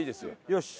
よし。